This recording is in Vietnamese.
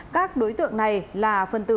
các đối tượng này là phần từ